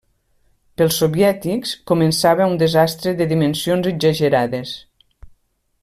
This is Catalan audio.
Pels soviètics, començava un desastre de dimensions exagerades.